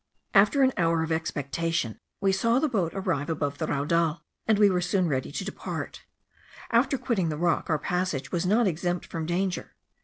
After an hour of expectation, we saw the boat arrive above the raudal, and we were soon ready to depart. After quitting the rock, our passage was not exempt from danger.